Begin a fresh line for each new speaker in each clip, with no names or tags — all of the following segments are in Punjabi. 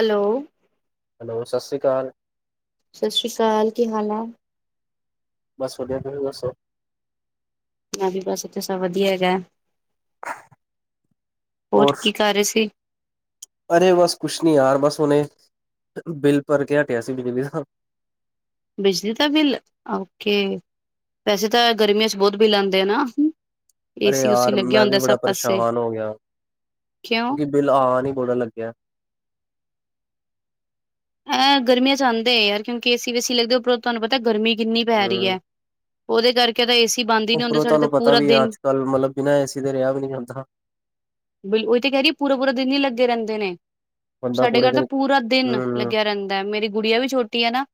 ਹੈਲੋ
ਹੈਲੋ, ਸਤਿ ਸ਼੍ਰੀ ਅਕਾਲ।
ਸਤਿ ਸ਼੍ਰੀ ਅਕਾਲ, ਕੀ ਹਾਲ ਆ?
ਬਸ, ਵਧੀਆ ਤੁਸੀ ਦੱਸੋ?
ਮੈ ਵੀ ਬਸ ਇੱਥੇ ਸਭ ਵਧੀਆ ਹੈਗਾ, ਹੋਰ ਕੀ ਕਰ ਰਹੇ ਸੀ?
ਅਰੇ ਬਸ ਕੁਛ ਨੀ ਯਾਰ, ਬਸ ਹੁਣੇ ਬਿੱਲ ਭਰ ਕੇ ਹਟਿਆ ਸੀ ਬਿਜਲੀ ਦਾ
ਬਿਜਲੀ ਦਾ ਬਿੱਲ, ਓਕੇ, ਵੈਸੇ ਤਾਂ ਗਰਮੀਆਂ 'ਚ ਬਹੁਤ ਬਿੱਲ ਆਂਦੇ ਆ ਨਾ
ਅਰੇ
ਏਸੀ ਉਸੀ
ਯਾਰ
ਲੱਗਿਆ
ਮੈਂ ਵੀ,
ਹੁੰਦਾ ਸਭ
ਬੜਾ
ਪਾਸੇ
ਪਰੇਸ਼ਾਨ ਹੋ ਗਿਆ
ਕਿਉਂ
ਕਿਉਂਕਿ, ਬਿੱਲ ਆਨ ਈ ਬੜਾ ਲੱਗ ਗਿਆ
ਅਹ ਗਰਮੀਆਂ 'ਚ ਆਂਦੇ ਯਾਰ, ਕਿਉਂਕਿ ਏ ਸੀ ਵੇਸੀ ਲੱਗਦੇ, ਉੱਪਰੋਂ ਤੁਹਾਨੂੰ ਪਤਾ ਗਰਮੀ ਕਿੰਨੀ ਪੈ ਰਹੀ ਐ
ਹੂੰ
ਉਹਦੇ ਕਰਕੇ, ਤਾਂ ਏ ਸੀ ਬੰਦ ਈ ਨੀ ਹੁੰਦੇ, ਸਾਡੇ 'ਤੇ ਪੂਰਾ ਦਿਨ
ਗਲ ਮਤਲਬ ਕੀ, ਨਾ ਏ ਸੀ 'ਤੇ ਰਿਹਾ ਵੀ ਨੀ ਜਾਂਦਾ
ਉਹੀ ਤੇ ਕਹਿ ਰਹੀ ਏ, ਪੂਰਾ-ਪੂਰਾ ਦਿਨ ਈ ਲੱਗੇ ਰਹਿੰਦੇ ਨੇ
ਬੰਦਾ
ਸਾਡੇ
ਪੂਰੇ
ਘਰ ਤਾਂ,
ਦਿਨ
ਪੂਰਾ ਦਿਨ
ਹੂੰ
ਲੱਗਿਆ ਰਹਿੰਦਾ, ਮੇਰੀ ਗੁੜੀਆ ਵੀ ਛੋਟੀ ਐ ਨਾ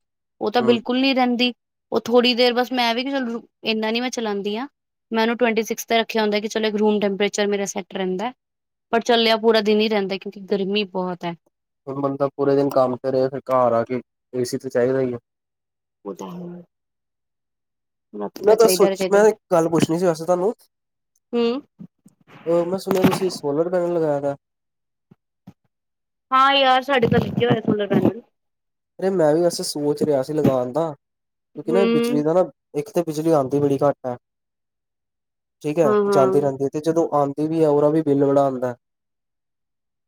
ਉਹ ਤਾਂ
ਹੂੰ
ਬਿਲਕੁੱਲ ਨੀ ਰਹਿੰਦੀ, ਉਹ ਥੋੜ੍ਹੀ ਦੇਰ ਬਸ ਮੈਂ ਵੀ ਫਿਰ, ਇੰਨਾ ਨੀ ਮੈਂ ਚਲਾਂਦੀ ਆ ਮੈ ਉਹਨੂੰ, ਟਵੈਂਟੀ ਸਿਕਸ 'ਤੇ ਰੱਖਿਆ ਹੁੰਦਾ ਕਿ, ਚਲ ਇੱਕ ਰੂਮ ਟੈਂਮਪਰੇਚ ਮੇਰਾ ਸੈਟ ਰਹਿੰਦਾ ਪਰ ਚੱਲਿਆ ਪੂਰਾ ਦਿਨ ਈ ਰਹਿਦਾ ਕਿਉਂਕਿ, ਗਰਮੀ ਬਹੁਤ ਐ
ਫ ਬੰਦਾ ਪੂਰੇ ਦਿਨ ਕੰਮ ਤੇ ਕਰੇ, ਫਿਰ ਘਰ ਆ ਕੇ ਏਸੀ ਤੇ ਚਾਈਦਾ ਈ ਐ
ਉਹ ਤਾਂ ਹੈ ਰਾਤੀ
ਮੈਂ ਤਾਂ ਸੋ
ਚਾਹੀਦਾ ਚਾਹੀਦਾ
ਮੈਂ ਇੱਕ ਗੱਲ, ਪੁੱਛਣੀ ਸੀ ਵੈਸੇ ਤਾਨੂੰ?
ਹਮ
ਔਰ ਮੈਂ ਸੁਣਿਆ, ਤੁਸੀਂ ਸੋਲਰ ਪੈਨਲ ਲਗਾਇਆ ਦਾ
ਹਾਂ ਯਾਰ, ਸਾਡੇ ਤੇ ਲੱਗੇ ਹੋਇਆ ਸੋਲਰ ਪੈਨਲ
ਅਰੇ ਮੈਂ ਵੀ ਵੈਸੇ ਸੋਚ ਰਿਯਾ ਸੀ ਲਗਾਣ ਦਾ, ਕਿਉਂਕਿ ਨਾ ਬਿਜਲੀ
ਹਮ
ਦਾ ਨਾ ਇੱਕ ਤੇ ਬਿਜਲੀਆਂਦੀ ਬੜੀ ਘੱਟ ਏ, ਠੀਕ ਹੈ,
ਹਾਂ
ਜਾਂਦੀ
ਹਾਂ
ਰਹਿੰਦੀ ਤੇ ਜਦੋਂ ਆਂਦੀ ਵੀ ਏ ਉਦਾ ਵੀ ਬਿੱਲ ਵੜਾ ਆਂਦਾ,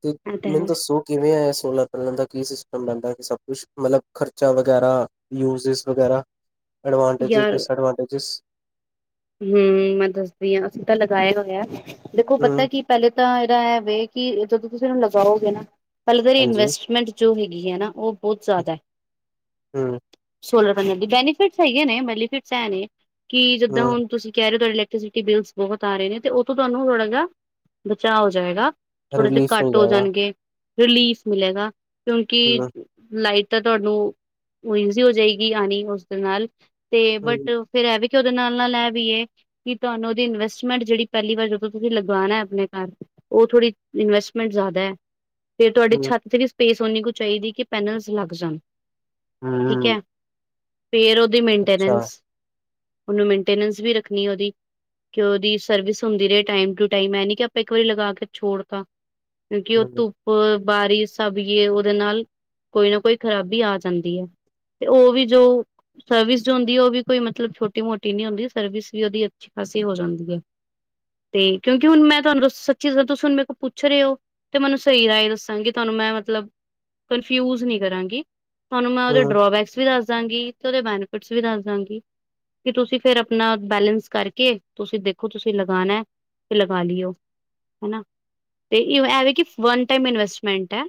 ਤੇ
ਇਹ ਤਾਂ
ਮੈਨੂੰ
ਹੈ
ਦੱਸੋ ਕਿਵੇਂ ਏ ਸੋਲਰ ਪੈਨਲ ਦਾ ਕੀ ਸਿਸਟਮ ਬਣਦਾ ਏ, ਕਿ ਸਬ ਕੁਛ ਮਤਲਬ ਖ਼ਰਚਾ ਵਗੈਰਾ, ਯੂਜਸ ਵਗੈਰਾ, ਐਡਵਾਂਟੀੇਜਿਸ, ਡਿਸਐਡਵਾਂਟਜਿਸ
ਹੁੰ ਮੈਂ ਦੱਸਦੀ ਆ ਅਸੀਂ ਤਾਂ ਲਗਾਇਆ ਹੋਇਆ, ਦੇਖੋ
ਹਮ
ਪਤਾਏ ਕੀ ਪਹਿਲੇ ਤਾਂ ਇਦਾ ਏ ਵੇ ਕਿ ਜਦੋਂ ਤੁਸੀਂ ਇਹਨੂੰ ਲਗਾਓਗੇ ਨਾ, ਪਹਿਲੇ ਤਾਂ ਈਦੀ
ਹਾਂਜੀ
ਇਨਵੈਸਟਮੈਂਟ ਜੋ ਹੈਗੀ ਹੈ ਨਾ, ਉਹ ਬੋਤ ਜ਼ਿਆਦਾ ਏ
ਹੂੰ
ਸੋਲਰ ਪੈਨਲ ਦੀ, ਬੈਨੀਫਿਟਸ ਹੈਗੇ ਨੇ ਬੈਲੀਫਿਟਸ ਏ ਨੇ ਕਿ ਜਿੱਦਾਂ
ਹਮ
ਹੁਣ ਤੁਸੀਂ ਕੇ ਰਏ ਔ ਤੁਹਾਡੇ ਇਲੈਕਟ੍ਰੀਸਿਟੀ ਬਿੱਲਸ ਬਹੁਤ ਆ ਰਹੇ ਨੇ, ਤੇ ਉੱਥੋਂ ਤੁਹਾਨੂੰ ਥੋੜਾ ਜਹਾ ਬਚਾਅ ਹੋ ਜਾਏਗਾ ਥੋੜਾ ਜਿਹੇ
ਰਿਲੀਫ ਮਿਲ
ਘੱਟ ਹੋ
ਜਾਏਗਾ
ਜਾਣਗੇ, ਰਿਲੀਫ਼ ਮਿਲੇਗਾ
ਹਮ
ਕਿਉਂਕਿ ਲਾਈਟ ਤਾਂ ਤੁਆਨੂੰ ਈਜ਼ੀ ਔ ਜਾਏਗੀ ਆਣੀ ਉਸਦੇ ਨਾਲ, ਤੇ ਬਟ
ਹਮ
ਫੇਰ ਏ ਵੀ ਕਿ ਉਦੇ ਨਾਲ ਨਾਲ ਏ ਵੀ ਏ, ਕਿ ਤੁਆਨੂੰ ਉਦੀ ਇਨਵੈਸਟਮੈਂਟ ਜੇੜੀ ਪੇਲੀ ਵਾਰ ਜਦੋਂ ਤੁਸੀਂ ਲਗਾਣਾ ਆਪਣੇ ਘਰ ਉਹ ਥੋੜ੍ਹੀ ਇਨਵੈਸਟਮੈਂਟ ਜ਼ਾਦਾ ਏ ਫਿਰ ਤੁਆਡੀ
ਹਮ
ਛੱਤ ਤੇ ਵੀ ਸਪੇਸ ਓਨੀ ਕੁ ਚਾਈਦੀ, ਕਿ ਪੈਨਲਸ ਲੱਗ ਜਾਣ, ਠੀਕ
ਹਮ
ਹੈ। ਫੇਰ ਉਦੀ
ਅੱਛਾ
ਮੇਨਟੇਨੈਂਸ, ਉਨੂੰ ਮੇਨਟੇਨੈਂਸ ਵੀ ਰੱਖਣੀ ਉਹਦੀ ਕਿ ਉਦੀ ਸਰਵਿਸ ਹੁੰਦੀ ਰਏ ਟਾਈਮ ਟੂ ਟਾਈਮ, ਏ ਨੀ ਕਿ ਆਪਾਂ ਇੱਕ ਵਾਰੀ ਲਗਾ ਕੇ ਛੋੜ ਤਾ ਕਿਉਂਕਿ ਉ
ਹਮ
ਧੁ ਪ ਬਾਰਿਸ਼ ਸਬ ਯੇ ਵੋ ਉਦੇ ਨਾਲ, ਕੋਈ ਨਾ ਕੋਈ ਖ਼ਰਾਬੀ ਆ ਜਾਂਦੀ ਏ। ਤੇ ਉ ਵੀ ਜੋ ਸਰਵਿਸ ਜੋ ਹੁੰਦੀ ਏ, ਉਹ ਵੀ ਕੋਈ ਮਤਲਬ ਛੋਟੀ ਮੋਟੀ ਨੀ ਹੁੰਦੀ ਸਰਵਿਸ ਵੀ ਉਦੀ ਅੱਛੀ ਖਾਸੀ ਹੋ ਜਾਂਦੀ ਏ ਤੇ ਕਿਉਂਕਿ ਹੁਣ ਮੈਂ ਤੁਆਨੂੰ ਦਸ ਸੱਚੀ ਦਸਾ, ਤੁਸੀਂ ਹੁਣ ਮੇ ਕੋਲ ਪੁੱਛ ਰਹੇ ਔ ਤੇ ਮੈਨੂੰ ਸਈ ਰਾਏ ਦੱਸਾਂਗੀ ਤੁਆਨੂੰ ਮੈਂ ਮਤਲਬ, ਕਨਫਿਊਜ ਨੀ ਕਰਾਂਗੀ ਤੁਆਨੂੰ ਮੈਂ ਉਹਦੇ
ਹਮ
ਡਰੋਬੈਕਸ ਵੀ ਦੱਸ ਦਾਂਗੀ ਤੇ ਉਦੇ ਬੈਨੀਫਿਟਸ ਵੀ ਦੱਸ ਦਾਂਗੀ, ਕਿ ਤੁਸੀਂ ਫੇਰ ਆਪਣਾ ਬੈਲੇੈਂਸ ਕਰਕੇ, ਤੁਸੀਂ ਦੇਖੋ ਤੁਸੀਂ ਲਗਾਣਾ ਤੇ ਲਗਾ ਲੀੳ। ਹਨਾ, ਤੇ ਈ ਐਵੇਂ ਕਿ ਵਨ ਟਾਈਮ ਇਨਵੈਸਟਮੈਂਟ ਐਂ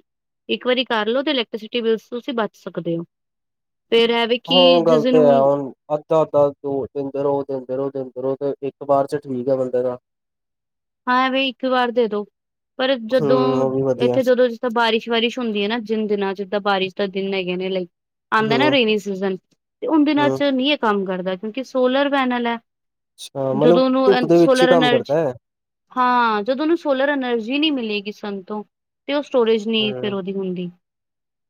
ਇੱਕ ਵਾਰੀ ਕਰ ਲੋ, ਤੇ ਇਲੈਕਟ੍ਰੀਸਿਟੀ ਬਿਲਸ ਤੁਸੀਂ ਬਚ ਸਕਦੇ ਓ, ਫਿਰ ਏ
ਹਾਂ ਗੱਲ ਤੇ ਹੈ ਹੁਣ ਤਾ ਤਾ ਦੋ ਦੇਂਦੇ ਰਓ, ਦੇਂਦੇ ਰਓ, ਦੇਂਦੇ ਰਓ ਤੇ ਇੱਕ ਵਾਰ 'ਚ ਠੀਕ ਆ ਬੰਦੇ ਦਾ
ਹਾਂ ਵਈ ਇੱਕ ਵਾਰ ਦੇ ਦੋ, ਪਰ ਜਦੋਂ
ਹਮ ਉਹ ਵੀ ਵਧੀਆ
ਇੱਥੇ ਜਦੋਂ ਤਾਂ ਬਾਰਿਸ਼ ਵਾਰਿਸ਼ ਹੁੰਦੀ ਏ ਨਾ ਜਿੰਨ ਦਿਨਾਂ 'ਚ, ਜੀਦਾਂ ਬਾਰਿਸ਼ ਦਾ ਦਿਨ ਹੈਗੇ ਨੇ ਲਾਈ ਆਂਦਾਏ ਨਾ
ਹੂੰ,
ਰੇਨੀ ਸੀਜ਼ਨ, ਤੇ ਉਨ ਦਿਨਾਂ
ਹੂੰ।
'ਚ ਨੀ ਏ ਕੰਮ ਕਰਦਾ ਕਿਉਂਕਿ ਸੋਲਰ ਪੈਨਲ ਐ
ਅੱਛਾ, ਮਤਲਬ
ਜਦੋਂ ਉਨੂੰ
ਧੁੱਪ
ਏ
ਦੇ ਵਿੱਚ ਹੀ
ਸੋਲਰ
ਕੰਮ
ਐਨਰਜੀ
ਕਰਦਾ ਹੈ।
ਹਾਂ, ਜਦੋਂ ਉਨੂੰ ਸੋਲਰ ਐਨਰਜੀ ਨੀ ਮਿਲੇਗੀ ਸੰਨ ਤੋਂ ਤੇ ਉ ਸਟੋਰੇਜ ਨੀ ਫਿਰ
ਹੂੰ।
ਉਦੀ ਹੁੰਦੀ,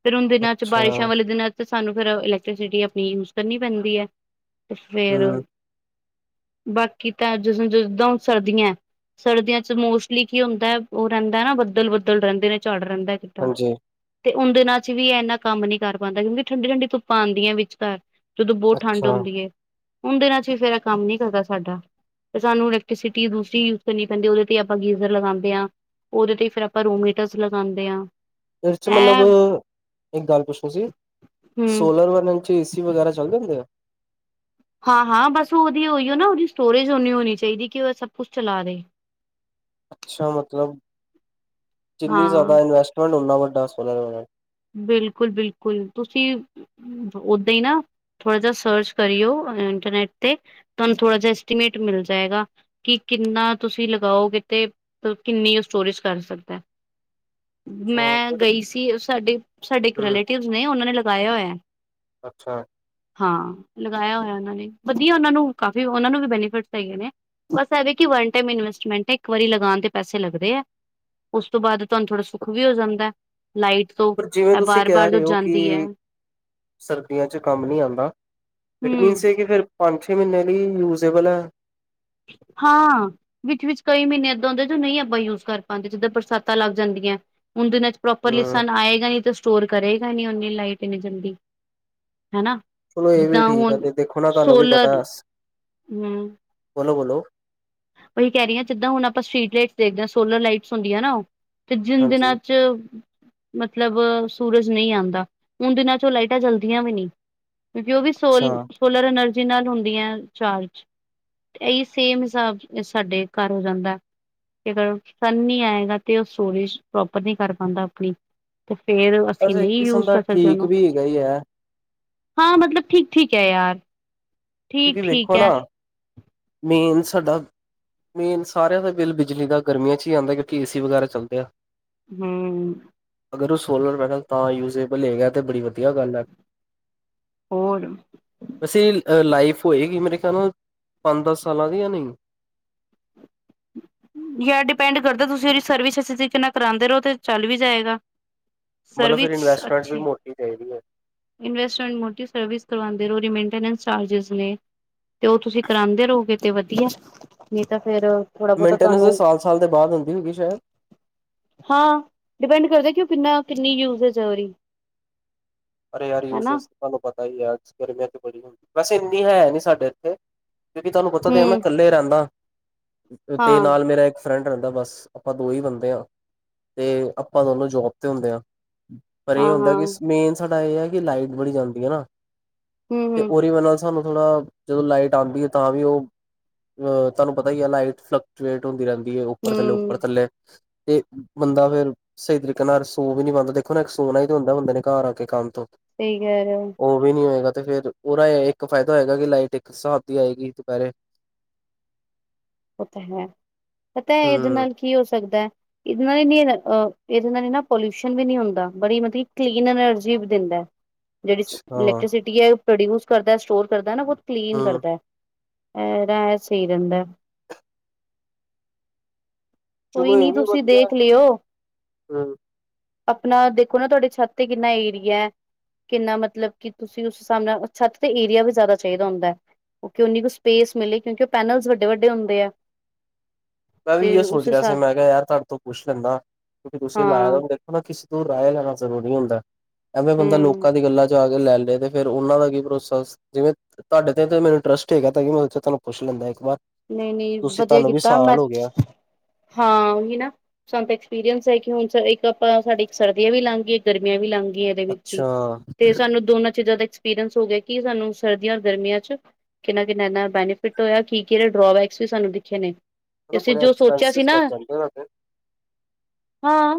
ਫਿਰ ਔਨ ਦਿਨਾਂ 'ਚ
ਅੱਛਾ,
ਬਾਰਿਸ਼ਾਂ ਵਾਲੇ ਦਿਨਾਂ ਤੇ ਸਾਨੂੰ ਫੇਰ ਇਲੈਕਟ੍ਰੀਸਿਟੀ ਆਪਣੀ ਯੂਜ ਕਰਨੀ ਪੈਂਦੀ ਏ, ਤੇ ਫੇਰ
ਹੂੰ,
ਬਾਕੀ ਤਾਂ ਜਦ ਜ ਜਦਾਂ ਹੁਨ ਸਰਦੀਆਂ ਏ ਸਰਦੀਆਂ ਚ ਮੋਸਟਲੀ ਕੀ ਹੁੰਦਾ ਏ, ਉ ਰੇਂਦਾ ਏਨਾ ਬੱਦਲ-ਬੱਦਲ ਰੇਂਦੇ ਨੇ, ਝਾੜ ਰੇਂਦਾ ਏ [unintelligible] ਜਿਦਾ
ਹਾਂਜੀ,
ਤੇ ਉਨ ਦਿਨਾਂ 'ਚ ਵੀ ਇੰਨਾ ਕੰਮ ਨੀ ਕਰ ਪਾਂਦਾ, ਕਿਉਂਕਿ ਠੰਡੀ ਠੰਡੀ ਧੁੱਪਾਂ ਆਂਦੀਆਂ ਵਿਚਕਾਰ ਜਦੋਂ ਬੋਤ ਠੰਡ
ਅੱਛਾ।
ਹੁੰਦੀ ਏ ਉਨ ਦਿਨਾਂ 'ਚ ਫੇਰ ਏ ਕੰਮ ਨੀ ਕਰਦਾ ਸਾਡਾ, ਤੇ ਸਾਨੂੰ ਇਲੈਕਟ੍ਰੀਸਿਟੀ ਦੂਸਰੀ ਕਰਨੀ ਪੈਂਦੀ ਉਹਦੇ ਤੇ ਆਪਾਂ ਗੀਜ਼ਰ ਲਗਾਂਦੇ ਆ, ਉਹਦੇ ਤੇ ਫਿਰ ਆਪਾਂ ਰੂਮ ਹੀਟਰਸ ਲਗਾਂਦੇ ਆਂ।
ਇਹ ਚ ਮਤਲਬ ਇੱਕ ਗੱਲ ਪੁੱਛਣੀ ਸੀ।
ਹਮ
ਸੋਲਰ ਪੈਨਲ ਚ ਏਸੀ ਸੀ ਵਗੈਰਾ ਚੱਲ ਜਾਣਗੇ।
ਹਾਂ, ਹਾਂ ਬਸ ਉਹਦੀ ਔਈਔ ਨਾ ਉਹਦੀ ਸਟੋਰੇਜ ਓਨੀ ਹੋਣੀ ਚਾਹੀਦੀ ਕਿ ਉਹ ਸਭ ਕੁਛ ਚਲਾ ਦੇ।
ਅੱਛਾ ਮਤਲਬ, ਜਿੰਨੀ
ਹਾਂ
ਜ਼ਿਆਦਾ ਇਨਵੈਸਟਮੈਂਟ ਉਨਾ ਵੱਡਾ ਸੋਲਰ ਪੈਨਲ
ਬਿਲਕੁਲ-ਬਿਲਕੁਲ ਤੁਸੀਂ ਅਂ ਓਦਾਂ ਈ ਨਾ, ਥੋੜ੍ਹਾ ਜਿਹਾ ਸਰਚ ਕਰੀਓ ਇੰਟਰਨੈਟ ਤੇ ਤੁਹਾਨੂੰ ਥੋੜਾ ਜਿਹਾ ਐਸਟੀਮੇਟ ਮਿਲ ਜਾਏਗਾ ਕਿ ਕਿੰਨਾ ਤੁਸੀਂ ਲਗਾਓਗੇ ਤੇ ਉਹ ਕਿੰਨੀ ਸਟੋਰੇਜ ਕਰ ਸਕਦਾ।
ਅੱਛਾ,
ਮੈਂ
ਮਤਲਬ
ਗਈ ਸੀ ਸਾਡੇ, ਸਾਡੇ ਇੱਕ
ਹੂੰ,
ਰਿਲੇਟਿਵਸ ਨੇ ਉਹਨਾਂ ਨੇ ਲਗਾਇਆ ਹੋਇਆ।
ਅੱਛਾ।
ਹਾਂ ਲਗਾਇਆ ਹੋਇਆ ਉਹਨਾਂ ਨੇ, ਵਧੀਆ ਉਹਨਾਂ ਨੂੰ ਕਾਫੀ ਉਹਨਾਂ ਨੂੰ ਵੀ ਬੈਨੀਫਿਟਸ ਹੈਗੇ ਨੇ। ਬਸ ਐ ਵੇ ਕਿ ਵਨ ਟਾਈਮ ਇਨਵੈਸਟਮੈਂਟ ਐ ਇੱਕ ਵਾਰੀ ਲਗਾਉਣ ਤੇ ਪੈਸੇ ਲੱਗਦੇ ਐ। ਉਸ ਤੋਂ ਬਾਅਦ ਤੁਹਾਨੂੰ ਥੋੜਾ ਸੁੱਖ ਵੀ ਹੋ ਜਾਂਦਾ ਐ। ਲਾਈਟ ਤੋਂ
ਪਰ ਜਿਵੇਂ
ਇਹ
ਤੁਸੀਂ ਕਹਿ
ਬਾਰ-ਬਾਰ ਜੋ
ਰਹੇ ਔ
ਜਾਂਦੀ ਹੈ
ਕਿ ਸਰਦੀਆਂ ਚ ਕੰਮ ਨ੍ਹੀਂ ਆਂਦਾ। ਇਟ
ਹੂੰ
ਮੀਨਸ ਇਹ ਕਿ ਫਿਰ ਪੰਜ-ਛੇ ਮਹੀਨੇ ਲਈ ਯੂਜੇ਼ਬਲ ਐ।
ਹਾਂ। ਵਿੱਚ-ਵਿਚ ਕਈ ਮਹੀਨੇ ਏਦਾਂ ਹੁੰਦੇ ਜੋ ਨਈਂ ਆਪਾਂ ਯੂਜ ਕਰ ਪਾਂਦੇ, ਜਿੱਦਾਂ ਬਰਸਾਤਾਂ ਲੱਗ ਜਾਂਦੀ ਐਂ। ਉਨ੍ਹਾਂ ਦਿਨਾਂ ਚ ਪ੍ਰੋਪਰਲੀ
ਹੂੰ,
ਸਨ ਆਏਗਾ ਨੀ ਤੇ ਸਟੋਰ ਕਰੇਗਾ ਈ ਨੀ ਓਨੀ ਲਾਈਟ ਇੰਨੀ ਜਲਦੀ। ਹੈਨਾਂ।
ਚਲੋ ਇਹ ਵੀ ਠੀਕ ਐ ਫਿਰ ਦੇਖੋ ਨਾ ਤੁਹਾਨੂੰ ਵੀ ਪਤਾ ਸ
ਹੂੰ
ਬੋਲੋ-ਬੋਲੋ
ਓਹੀ ਕਹਿ ਰਹੀ ਆਂ, ਜਿੱਦਾਂ ਹੁਣ ਆਪਾਂ ਸਟ੍ਰਰੀਟ ਲਾਈਟਸ ਦੇਖਦੇ ਆਂ ਸੋਲਰ ਲਾਈਟਸ ਹੁੰਦੀਆਂ ਨਾ ਤੇ ਜਿਨ ਦੇ
ਹਾਂਜੀ,
ਨਾਲ ਚ ਮਤਲਬ ਸੂਰਜ ਨਈਂ ਆਂਦਾ। ੳਨ ਦਿਨਾਂ ਚ ਉਹ ਲਾਈਟਾਂ ਜਲਦੀਆਂ ਵੀ ਨਈ ਕਿਉਕਿ ਉਹ ਵੀ ਸੋਲ
ਅੱਛਾ।
ਸੋਲਰ ਐਨਰਜੀ ਨਾਲ ਹੁੰਦੀਆਂ ਚਾਰਜ। ਇਹੀ ਸੇਮ ਹਿਸਾਬ ਇਹ ਸਾਡੇ ਘਰ ਹੋ ਜਾਂਦਾ ਅਗਰ ਸਨ ਨ੍ਹੀਂ ਆਏਗਾ ਤੇ ਉਹ ਸਟੋਰੇਜ ਪ੍ਰੋਪਰ ਨਈਂ ਕਰ ਪਾਂਦਾ ਆਪਣੀ ਤੇ ਫੇਰ ਅਸੀਂ
ਵੈਸੇ ਇੱਕ
ਨਈਂ
ਕਿਸਮ
ਯੂਜ
ਦਾ
ਕਰ ਸਕਦੇ
ਠੀਕ
ਉਹਨੂੰ
ਵੀ ਹੈਗਾ ਹੀ ਹੈ
ਹਾਂ ਮਤਲਬ ਠੀਕ-ਠੀਕ ਐ ਯਾਰ। ਠੀਕ
ਕਿਉਂਕਿ
ਠੀਕ
ਵੇਖੋ ਨਾ।
ਹੈ
ਮੇਨ ਸਾਡਾ ਮੇਨ ਸਾਰਿਆਂ ਦਾ ਬਿੱਲ ਬਿਜਲੀ ਦਾ ਗਰਮੀਆਂ ਚ ਈ ਆਂਦਾ, ਕਿਉਕਿ ਏਸੀ ਵਗੈਰਾ ਚੱਲਦੇ ਆ।
ਹਂ
ਅਗਰ ਉਹ ਸੋਲਰ ਪੈਨਲ ਤਾਂ ਯੂਜੇਬਲ ਹੋਏਗਾ, ਤੇ ਬੜੀ ਵਧੀਆ ਗੱਲ ਐ।
ਹੋਰ।
ਅਸੀਹ ਲਾਈਫ ਹੋਏਗੀ ਮੇਰੇ ਖਿਆਲ ਨਾਲ ਪੰਜ-ਦਸ ਸਾਲਾਂ ਦੀ ਜਾਂ ਨਈ।
ਯਾਰ ਡਿਪੈਂਡ ਕਰਦਾ ਤੁਸੀਂ ਉਹਦੀ ਸਰਵਿਸ ਅੱਸੀ਼ ਤਰੀਕੇ ਨਾਲ ਕਰਾਂਦੇ ਰਹੋ ਤੇ ਚੱਲ ਵੀ ਜਾਏਗਾ।
ਮਤਲਬ ਫਿਰ
ਸਰਵਿਸ
ਇਨਵੈਸਟਮੈਂਟ ਵੀ
ਅੱਛੀ
ਮੋਟੀ ਚਾਈਦੀ ਐ।
ਇਨਵੈਸਟਮੈਂਟ ਮੋਟੀ, ਸਰਵਿਸ ਕਰਵਾਉਂਦੇ ਰਹੋ, ਰਿਮੇਨਟੇਨੈਂਸ ਚਾਰਜਿਸ ਨੇ। ਤੇ ਉਹ ਤੁਸੀਂ ਕਰਾਂਦੇ ਰਹੋਗੇ ਤੇ ਵਧੀਆ। ਨ੍ਹੀਂ ਤਾਂ ਫੇਰ ਥੋੜਾ ਬਹੁਤਾ
ਮੇਨਟੇਨੈਂਸ
ਤੁਹਾਨੂੰ
ਸਾਲ-ਸਾਲ ਦੇ ਬਾਅਦ ਹੁੰਦੀ ਹੋਗੀ ਸ਼ਾਇਦ।
ਹਾਂ, ਡਿਪੈਂਡ ਕਰਦੇ ਕਿ ਉਹ ਕਿੰਨਾ ਕਿੰਨੀ ਯੂਜਜ ਆ ਰੀ
ਅਰੇ ਯਾਰ ਯੂਸੇਸ ਤੁਹਾਨੂੰ ਪਤਾ ਈ ਐ ਗਰਮੀਆਂ ਚ ਬੜੀ ਹੁੰਦੀ ਵੈਸੇ ਇੰਨੀ ਹੈ ਨੀ ਸਾਡੇ ਇੱਥੇ ਕਿਉਂਕਿ ਤੁਹਾਨੂੰ ਪਤਾ ਤੇ ਹੈ ਮੈਂ
ਹੂੰ,
ਕੱਲੇ ਰਹਿੰਦਾ। ਉਤੇ
ਹਾਂ,
ਨਾਲ ਮੇਰਾ ਇੱਕ ਫਰੈਂਡ ਰਹਿੰਦਾ ਬਸ, ਆਪਾਂ ਦੋ ਹੀ ਬੰਦੇ ਆਂ। ਤੇ ਆਪਾਂ ਦੋਨੋਂ ਜੋਬ ਤੇ ਹੁੰਦੇ ਆਂ। ਪਰ ਇਹ
ਹਾਂ,
ਹੁੰਦਾ
ਹਾਂ,
ਕਿ ਮੇਨ ਸਾਡਾ ਇਹ ਹੈ ਕਿ ਲਾਈਟ ਬੜੀ ਜਾਂਦੀ ਹੈ ਨਾ,
ਹੂੰ,
ਤੇ
ਹੂੰ,
ਉਹਦੀ ਵਜੇ ਨਾਲ ਸਾਨੂੰ ਥੋੜਾ, ਜਦੋਂ ਲਾਈਟ ਆਉਂਦੀ ਹੈ ਤਾਂ ਵੀ ਉਹ ਅਹ ਤੁਹਾਨੂੰ ਪਤਾ ਹੀ ਆ ਲਾਈਟ ਫਲਕਚੁਏਟ ਹੁੰਦੀ ਰਹਿੰਦੀ ਹੈ, ਉੱਪਰ ਥੱਲੇ-ਉੱਪਰ
ਹੂੰ।
ਥੱਲੇ ਤੇ ਬੰਦਾ ਫਿਰ ਸਹੀ ਤਰੀਕੇ ਨਾਲ ਸੋ ਵੀ ਨੀ ਪਾਉੰਦਾ ਦੇਖੋ ਨਾ, ਇਕ ਸੋਨਾ ਹੀ ਤੇ ਹੁੰਦਾ ਬੰਦੇ ਨੇ ਘਰ ਆ ਕੇ ਕੰਮ ਤੋਂ
ਸਹੀ ਗਲ ਐ
ਉਹ ਵੀ ਨਹੀਂ ਹੋਏਗਾ, ਤੇ ਫੇਰ ਉਹਦਾ ਇੱਕ ਫਾਇਦਾ ਹੋਏਗਾ ਕਿ ਲਾਈਟ ਇੱਕ ਸਾਬ ਦੀ ਆਏਗੀ ਦੁਪਹਿਰੇ।
ਉਹ ਤਾਂ ਹੈ, ਪਤਾ ਹੈ ਇਹਦੇ
ਹਮ
ਨਾਲ ਕੀ ਹੋ ਸਕਦੈ? ਇਹਦੇ ਨਾਲ ਨੀ ਅਹ ਇਹਦੇ ਨਾਲ ਨਾ ਪੋਲਿਊਸ਼ਨ ਵੀ ਨਹੀਂ ਹੁੰਦਾ, ਬੜੀ ਮਤਲਬ ਕਲੀਨ ਐਨਰਜੀ ਵੀ ਦਿੰਦੈ। ਜਿਹੜੀ ਸ
ਅੱਛਾ
ਇਲੈਕਟ੍ਰੀਸਿਟੀ ਹੈ, ਪ੍ਰੋਡਿਊਸ ਕਰਦੈ, ਸਟੋਰ ਕਰਦੈ ਨਾ, ਓਹ ਕਲੀਨ
ਹਮ
ਕਰਦੈ। ਐ ਰਾ ਐ ਸਹੀ ਰੈਂਦੈ।
ਚਲੋ
ਕੋਈ
ਇਹ
ਨਹੀਂ,
ਵੀ
ਤੁਸੀਂ
ਵਧੀਆ
ਦੇਖ ਲਿਓ।
ਹਮ
ਆਪਣਾ ਦੇਖੋ ਨਾ ਤੁਹਾਡੇ ਛੱਤ ਤੇ ਕਿੰਨਾ ਏਰੀਐ। ਕਿੰਨਾ ਮਤਲਬ ਕਿ ਤੁਸੀਂ, ਉਸ ਹਿਸਾਬ ਨਾਲ ਛੱਤ ਤੇ ਏਰੀਆ ਵੀ ਜ਼ਿਆਦਾ ਚਾਹੀਦਾ ਹੁੰਦੈ। ਓਕੇ, ਉਨੀ ਕੁ ਸਪੇਸ ਮਿਲੇ ਕਿਉਂਕਿ ਉਹ ਪੈਨਲਜ਼ ਵੱਡੇ-ਵੱਡੇ ਹੁੰਦੇ ਐ।
ਮੈਂ ਵੀ ਇਯੋ ਸੋਚ ਰਿਹਾ ਸੀ, ਮੈਂ ਕਿਹਾ ਯਾਰ ਤੁਹਾਡੇ ਤੋਂ ਪੁੱਛ ਲੈਂਦਾ, ਕਿਉੰਕਿ ਤੁਸੀਂ ਲਾਇਆ
ਹਾਂ
ਦਾ ਹੁਣ ਦੇਖੋ ਨਾ, ਕਿਸੇ ਤੋਂ ਰਾਏ ਲੈਣਾ ਜ਼ਰੂਰੀ ਹੁੰਦੈ। ਐਵੇਂ ਬੰਦਾ
ਹੂੰ
ਲੋਕਾਂ ਦੀ ਗੱਲਾਂ 'ਚ ਆ ਕੇ ਲੈ ਲੇ, ਤੇ ਫੇਰ ਉਹਨਾਂ ਦਾ ਕੀ ਭਰੋਸਾ, ਜਿਵੇਂ ਤੁਹਾਡੇ ਤੇ ਤੇ ਮੈਨੂੰ ਟਰਸਟ ਹੈਗਾ ਤਾਂਇਯੋਂ ਮੈਂ ਸੋਚਿਆ ਤੁਹਾਨੂੰ ਪੁੱਛ ਲੈਂਦਾ ਇੱਕ ਵਾਰ,
ਨਹੀਂ ਨਹੀਂ
ਤੁਸੀਂ,
ਵਧੀਆ
ਤੁਹਾਨੂੰ ਵੀ
ਕੀਤਾ ਮੈਂ
ਸਾਲ ਹੋ ਗ ਗਿਆ।
ਹਾਂ, ਉਹੀ ਨਾ। ਸਾਨੂੰ ਤੇ ਐਕਸਪੀਰੀਅੰਸ ਹੈ ਕਿ ਹੁਣ ਸਾ ਇੱਕ ਆਪਾਂ ਸਾਡੀ ਇੱਕ ਸਰਦੀਆਂ ਵੀ ਲੰਘ ਗੀ, ਇੱਕ ਗਰਮੀਆਂ ਵੀ ਲੰਘ ਗੀ ਏ। ਦੇ ਵਿੱਚ ਹੀ
ਅੱਛਾ
ਤੇ, ਸਾਨੂੰ ਦੋਨਾਂ 'ਚ ਜਿਆਦਾ ਐਕਸਪ ਪੀਰਨਸ ਹੋ ਗਿਆ ਕਿ ਸਾਨੂੰ ਸਰਦੀਆਂ ਔਰ ਗਰਮੀਆਂ ਚ' ਕਿੰਨਾ-ਕਿੰਨਾ ਇੰਨਾ ਬੈਨੀਫਿਟ ਹੋਇਆ, ਕਿ-ਕਿ ਕਿਹੜੇ ਡਰੋਬੈਕਸ ਵੀ ਸਾਨੂੰ ਦਿਖੇ ਨੇ, ਤੇ
ਮਤਲਬ
ਅਸੀਂ
ਬੜੇ
ਜੋ ਸੋਚਿਆ ਸੀ
ਐਕਸਪੈਂਸਿਸ
ਨਾ
ਬਚ ਜਾਂਦੇ ਉਹਨਾਂ ਦੇ
ਹਾਂ।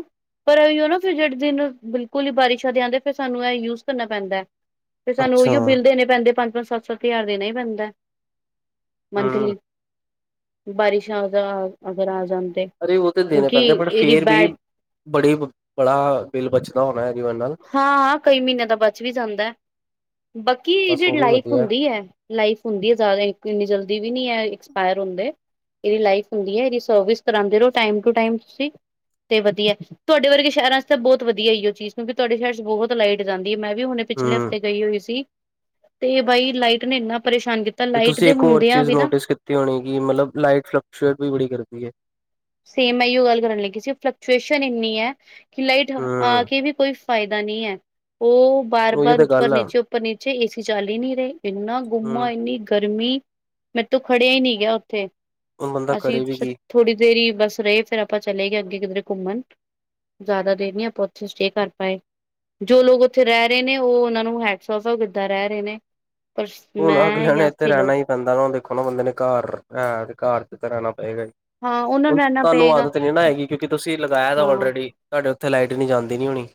ਪਰ ਐਈਓ ਨਾ ਫਿਰ ਜਿਹੜੇ, ਜਿਨੂੰ ਬਿਲਕੁਲ ਹੀ ਬਾਰਿਸ਼ਾਂ ਦੇ ਆਉਂਦੇ ਫਿਰ ਸਾਨੂੰ ਇਹ ਯੂਜ ਕਰਨਾ ਪੈਂਦੈ। ਫਿਰ ਸਾਨੂੰ
ਅੱਛਾ
ਉਹੀਓ ਬਿੱਲ ਦੇਣੇ ਪੈਂਦੇ, ਪੰਜ-ਪੰਜ, ਸੱਤ-ਸੱਤ ਹਜ਼ਾਰ ਦੇਣਾ ਹੀ ਪੈਂਦੈ।
ਹੂੰ
ਮੰਥਲੀ, ਬਾਰਿਸ਼ਾਂ ਵਗਾ ਅਗਰ ਆ ਜਾਨ ਤੇ।
ਅਰੇ ਉਹ ਤੇ ਦੇਣੇ
ਕਿਉਂਕਿ
ਪੈਂਦੇ, ਬਟ
ਇਹਦੀ
ਫੇਰ ਵੀ
ਬੈਟ
ਬੜੇ ਬੜਾ ਬਿੱਲ ਬਚਦਾ ਹੋਣਾ, ਏਦੀ ਵਜਾ ਨਾਲ
ਹਾਂ ਹਾਂ, ਕਈ ਮਹੀਨਿਆਂ ਦਾ ਬਚ ਵੀ ਜਾਂਦੈ, ਬਾਕੀ
ਬਸ
ਇਹਦੀ
ਉਹ ਵੀ
ਲਾਈਫ
ਵਧੀਆ
ਹੁੰਦੀ ਐ। ਲਾਈਫ ਹੁੰਦੀ ਐ ਜਿਆਦਾ, ਇਕ ਇੰਨੀ ਜਲਦੀ ਵੀ ਨਹੀਂ ਇਹ ਐਕਸਪਾਇਰ ਹੁੰਦੇ। ਏਦੀ ਲਾਈਫ ਹੁੰਦੀ ਐ, ਐਦੀ ਸਰਵਿਸ ਕਰਾਂਦੇ ਰਹੋ ਟਾਈਮ ਟੁ ਟਾਈਮ ਤੁਸੀਂ ਤੇ ਵਧੀਆ, ਤੁਹਾਡੇ ਵਰਗੇ ਸ਼ਹਿਰਾਂ 'ਚ ਤਾਂ ਬਹੁਤ ਵਧੀਆ ਐਈਓ ਚੀਜ਼। ਕਿਉਂਕਿ ਤੁਹਾਡੇ ਸ਼ਹਿਰ 'ਚ ਬਹੁਤ ਲਾਈਟ ਜਾਂਦੀ ਏ, ਮੈਂ ਵੀ ਹੁਣੇ ਪਿਛਲੇ
ਹੂੰ
ਹਫ਼ਤੇ ਗਈ ਹੋਈ ਸੀ, ਤੇ ਬਾਈ ਲਾਈਟ ਨੇ ਇੰਨਾ ਪਰੇਸ਼ਾਨ ਕੀਤਾ
ਤੇ
ਲਾਈਟ
ਤੁਸੀਂ
ਦੇ
ਇੱਕ ਹੋਰ
ਹੁੰਦਿਆਂ
ਚੀਜ਼
ਵੀ ਨਾ
ਨੋਟਿਸ ਕੀਤੀ ਹੋਣੀ, ਕਿ ਮਤਲਬ ਲਾਈਟ ਫਲਕਚੁਏਟ ਵੀ ਬੜੀ ਕਰਦੀ ਏ।
ਸੇਮ ਏਹੀਓ ਗੱਲ ਕਰਨ ਲੱਗੀ ਸੀ, ਫਲਕਚੁਏਸ਼ਨ ਇੰਨੀ ਹੈ ਕਿ ਲਾਈਟ
ਹੂੰ
ਆ ਕੇ ਵੀ ਕੋਈ ਫਾਇਦਾ ਨੀਂ ਐ, ਉਹ
ਉਹੀ
ਬਾਰ-ਬਾਰ
ਤੇ
ਉੱਪਰ
ਗੱਲ ਆ
ਨੀਚੇ, ਉੱਪਰ ਨੀਚੇ। ਏਸੀ ਚੱਲ ਹੀ ਨੀ ਰਹੇ, ਇੰਨਾ ਗੁੰਮਾ,
ਹੂੰ
ਇੰਨੀ ਗਰਮੀ, ਬਾ ਮੇਥੋਂ ਖੜੀਆ ਹੀ ਨਹੀਂ ਗਿਆ ਉੱਥੇ,
ਹੁਣ ਬੰਦਾ
ਅਸੀ
ਕਰੇ ਵੀ
ਸੱਚ
ਕੀ
ਥੋੜੀ ਦੇ ਦੇਰ ਬਸ ਰਹੇ, ਫੇਰ ਆਪਾਂ ਚਲੇ ਗਏ ਅੱਗੇ ਕਿਧਰੇ ਘੁੰਮਣ। ਜ਼ਿਆਦਾ ਦੇਰ ਨੀਂ ਆਪਾਂ ਉੱਥੇ ਸਟੇਅ ਕਰ ਪਾਏ। ਜੋ ਲੋਕ ਉੱਥੇ ਰਹਿ ਰਹੇ ਨੇ, ਉਹ ਉਹਨਾਂ ਨੂੰ ਹੈਟਸ-ਔਫ, ਸੱਭ ਕਿੱਦਾਂ ਰਹਿ ਰਹੇ ਨੇ। ਪਰ ਸ ਮੈਂ
ਅਗਲਿਆਂ ਨੇ
ਯਾ
ਇੱਥੇ
ਅਸੀ ਲੌ
ਰਹਿਣਾ ਹੀ ਬੰਦਾ ਤਾਂ ਹੁਣ ਦੇਖੋ ਨਾ ਬੰਦੇ ਨੇ ਘਰ ਹੈ, ਤੇ ਘਰ 'ਚ ਤੇ ਰਹਿਣਾ ਪਏਗਾ ਹੀ।
ਹਾਂ ਉਹਨਾਂ
ਹੁਣ
ਨੂੰ ਰਹਿਣਾ
ਤੁਹਾਨੂੰ
ਪਏਗਾ
ਆਦਤ ਨੀ ਨਾ ਹੈਗੀ ਕਿਉਂਕਿ ਤੁਸੀਂ ਲਗਾਇਆ ਦਾ
ਹਾਂ
ਆਲਰੇਡੀ। ਤੁਹਾਡੇ ਉੱਥੇ ਲਾਈਟ ਇੰਨੀ ਜਾਂਦੀ ਨੀ ਹੋਣੀ।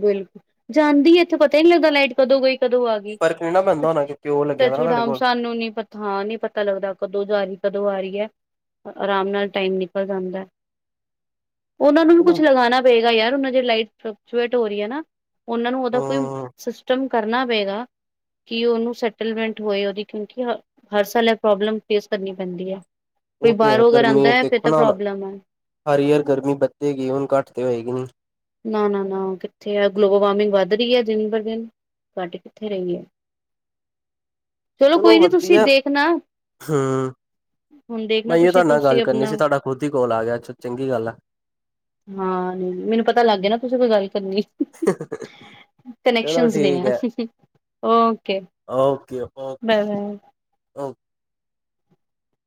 ਬਿਲ ਜਾਂਦੀ ਐ ਇੱਥੇ ਪਤਾ ਹੀ ਨੀ ਲੱਗਦਾ ਲਾਈਟ ਕਦੋਂ ਗਈ ਕਦੋਂ ਆ ਗਈ।
ਫਰਕ ਨੀ ਨਾ ਪੈਂਦਾ ਹੋਣਾ
ਸੱਚ
ਕਿਉਂਕਿ ਉਹ ਲੱਗਿਆ ਦਾ
ਟੱਚ
ਨਾ
ਵੁਡ
ਤੁਹਾਡੇ
[unintelligible]
ਕੋਲ
ਸਾਨੂੰ ਨੀ ਪਤਾ। ਹਾਂ, ਨਹੀਂ ਪਤਾ ਲੱਗਦਾ ਕਦੋਂ ਜਾ ਰਹੀ, ਕਦੋਂ ਆ ਰਹੀ ਐ। ਆਰਾਮ ਨਾਲ ਟਾਈਮ ਨਿਕਲ ਜਾਂਦਾ। ਉਹਨਾ ਨੂੰ ਵੀ ਕੁੱਛ
ਹੂੰ
ਲਗਾਉਣਾ ਪਏਗਾ ਯਾਰ ਉਹਨਾਂ ਦੀ ਲਾਈਟ ਫਲਕਚੂਏਟ ਹੋ ਰਹੀ ਹੈ ਨਾ। ਉਹਨਾਂ ਨੂੰ ਉਹਦਾ ਕੋਈ ਸਿਸਟਮ ਕਰਨਾ ਪਏਗਾ। ਕਿ ਉਹਨੂੰ ਸੈਟਲਮੈਂਟ ਹੋਏ ਉਹਦੀ, ਕਿਉਂਕਿ ਹ ਹਰ ਸਾਲ ਇਹ ਪ੍ਰੋਬਲਮ ਫੇਸ ਕਰਨੀ ਪੈਂਦੀ ਹੈ ਕੋਈ
ਉਹ ਤੇ ਹੈ
ਬਾਹਰੋਂ ਅਗਰ
ਗਰਮੀ
ਆਉਂਦਾ ਫੇਰ
ਦੇਖੋ
ਤਾ
ਨਾ ਹੁਣ
ਪ੍ਰੋਬਲਮ ਹੈ।
ਹਰ ਯਾਰ ਗਰਮੀ ਵੱਧੇ ਗੀ ਹੁਣ ਘੱਟ ਤੇ ਹੋਏਗੀ ਨੀ।
ਨਾ-ਨਾ, ਨਾ ਉਹ ਕਿੱਥੇ ਆ ਗਲੋਬਲ ਵਾਰਮਿੰਗ ਵੱਧ ਰਹੀ ਹੈ ਦਿਨ ਬ ਦਿਨ। ਘੱਟ ਕਿਥੇ ਰਹੀ ਏ। ਚਲੋ ਕੋਈ ਨੀ ਤੁਸੀਂ ਦੇਖਣਾ।
ਹੂੰ
ਹੁਣ ਦੇਖਣਾ
ਮੈਂ ਅਈਓ
ਤੁਸੀਂ
ਤੁਹਾਡੇ ਨਾਲ
ਤੁਸੀਂ
ਗੱਲ ਕਰਨੀ
ਆਪਣਾ
ਸੀ ਤੁਹਾਡਾ ਖੁਦ ਹੀ ਕੋਲ ਆ ਗਿਆ ਚੰਗੀ ਗੱਲ ਆ।
ਹਾਂ ਨਹੀਂ ਮੈਨੂੰ ਪਤਾ ਲੱਗ ਗਿਆ ਨਾ ਤੁਸੀਂ ਕੋਈ ਗੱਲ ਕਰਨੀ ਹੈ।
[inaudible] ਚਲੋ
ਨੇ
ਠੀਕ ਹੈ
ਓਕੇ
ਓਕੇ ਓ
ਬਾਏ ਬਾਏ
ਓ